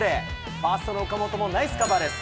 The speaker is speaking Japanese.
ファーストの岡本もナイスカバーです。